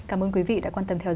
cảm ơn quý vị đã quan tâm theo dõi